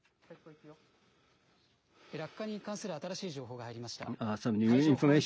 落下に関する新しい情報が入りました。